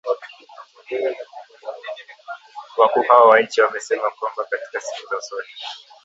Wakuu hao wa nchi wamesema kwamba katika siku za usoni